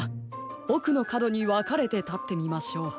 おくのかどにわかれてたってみましょう。